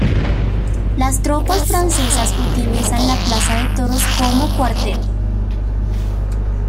Las tropas francesas utilizan la Plaza de Toros como cuartel.